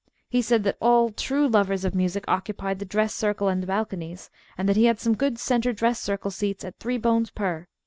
He said that all true lovers of music occupied the dress circle and balconies, and that he had some good center dress circle seats at three bones per.